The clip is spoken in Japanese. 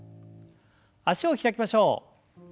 脚を開きましょう。